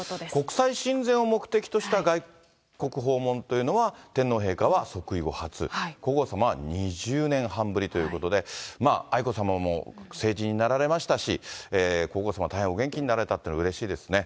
国際親善を目的とした外国訪問というのは、天皇陛下は即位後初、皇后さまは２０年半ぶりということで、愛子さまも成人になられましたし、皇后さま、大変お元気になられたというのはうれしいですね。